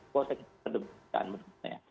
kalau saya kira terdekat